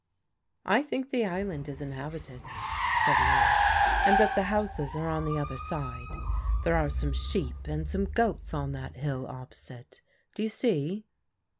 "I think the island is inhabited," said Lewis, "and that the houses are on the other side. There are some sheep and some goats on that hill opposite. Do you see?"